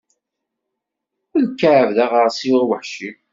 Ikɛeb d aɣersiw aweḥci.